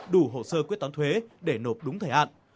đủ hồ sơ quyết toán thuế để nộp đúng thời hạn